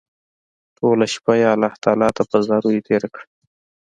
ټوله شپه يې الله تعالی ته په زاريو تېره کړه